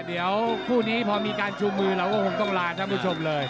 เดี๋ยวคู่นี้พอมีการชูมือเราก็คงต้องลาท่านผู้ชมเลย